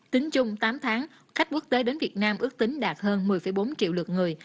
tính chung tám tháng khách quốc tế đến việt nam ước tính đạt hơn một mươi bốn triệu lượt người